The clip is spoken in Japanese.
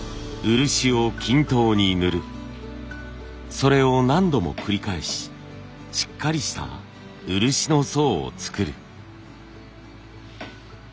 それを何度も繰り返ししっかりした漆の層を作る。